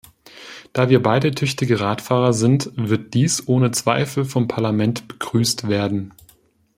Da wir beide tüchtige Radfahrer sind, wird dies ohne Zweifel vom Parlament begrüßt werden.